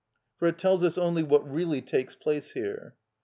For it tells us only what really takes place here.